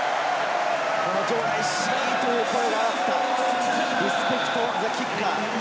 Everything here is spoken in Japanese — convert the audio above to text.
場内しという声があって、リスペクトザキッカー。